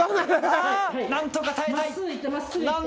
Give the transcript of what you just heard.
何とか耐えたい。